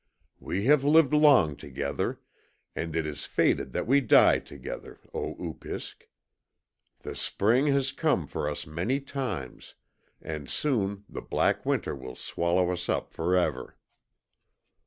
"We have lived long together, and it is fated that we die together, Oh Upisk. The spring has come for us many times, and soon the black winter will swallow us up for ever."